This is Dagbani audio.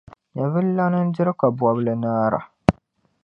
Nyɛvililana n-diri kabɔbili naara.